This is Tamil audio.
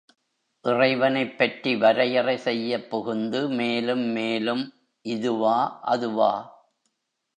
இறைவனைப் பற்றி வரையறை செய்யப் புகுந்து மேலும் மேலும், இதுவா, அதுவா?